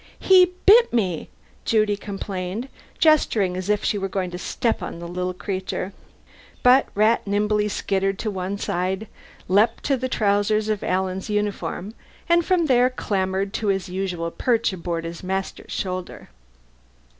"He bit me," Judy complained, gesturing as if she were going to step on the little creature. But Rat nimbly skittered to one side, leaped to the trousers of Alan's uniform, and from there clambered to his usual perch aboard his master's shoulder.